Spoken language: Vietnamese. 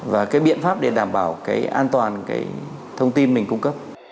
và cái biện pháp để đảm bảo an toàn thông tin mình cung cấp